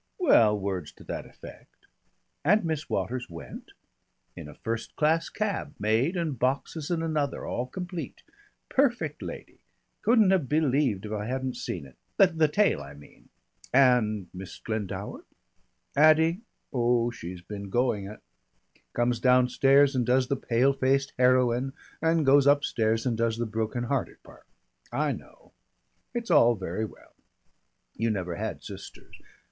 "Well, words to that effect." "And Miss Waters went?" "In a first class cab, maid and boxes in another, all complete. Perfect lady.... Couldn't have believed if I hadn't seen it the tail, I mean." "And Miss Glendower?" "Addy? Oh, she's been going it. Comes downstairs and does the pale faced heroine and goes upstairs and does the broken hearted part. I know. It's all very well. You never had sisters.